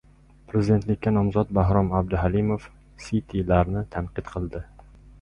Prezidentlikka nomzod Bahrom Abduhalimov “siti”larni tanqid qildi